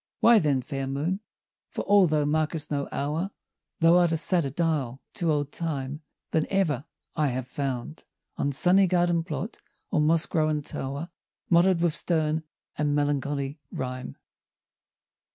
Why then, fair Moon, for all thou mark'st no hour, Thou art a sadder dial to old Time Than ever I have found On sunny garden plot, or moss grown tow'r, Motto'd with stern and melancholy rhyme.